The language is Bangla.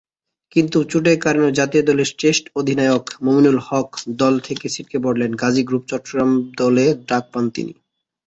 কিন্তু চোটের কারণে জাতীয় দলের টেস্ট অধিনায়ক মমিনুল হক দলকে থেকে ছিটকে পড়লে, গাজী গ্রুপ চট্টগ্রাম দলে ডাক পান তিনি।